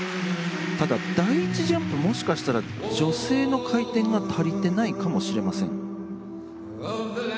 ただ第１ジャンプもしかしたら女性の回転が足りてないかもしれません。